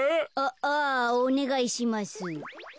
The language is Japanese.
あおねがいします。